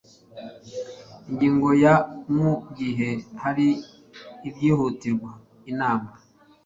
ingingo ya mu gihe hari ibyihutirwa inama